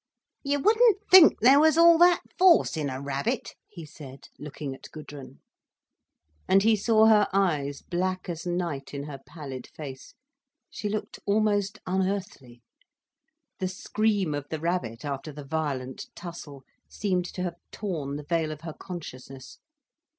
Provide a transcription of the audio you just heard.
"You wouldn't think there was all that force in a rabbit," he said, looking at Gudrun. And he saw her eyes black as night in her pallid face, she looked almost unearthly. The scream of the rabbit, after the violent tussle, seemed to have torn the veil of her consciousness.